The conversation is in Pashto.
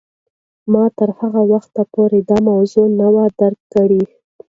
ما تر هغه وخته پورې دا موضوع نه وه درک کړې.